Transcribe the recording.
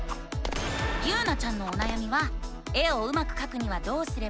ゆうなちゃんのおなやみは「絵をうまくかくにはどうすればいいの？」